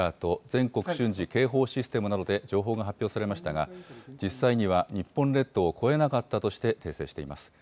・全国瞬時警報システムなどで情報が発表されましたが、実際には日本列島を越えなかったとして訂正しています。